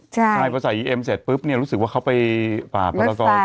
ใช่พอใส่อีเอ็มเสร็จปุ๊บเนี่ยรู้สึกว่าเขาไปฝ่าภารกร